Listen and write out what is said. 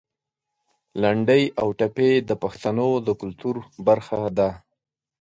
لنډۍ او ټپې د پښتنو د کلتور برخه ده.